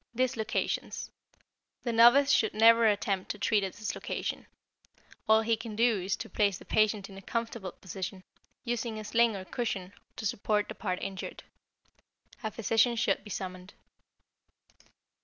=Dislocations.= The novice should never attempt to treat a dislocation. All he can do is to place the patient in a comfortable position, using a sling or cushion to support the part injured. A physician should be summoned.